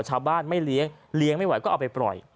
ชาวบ้านไม่เลี้ยงเลี้ยงไม่ไหวก็เอาไปปล่อย